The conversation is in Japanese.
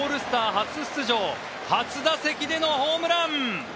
初出場初打席でのホームラン！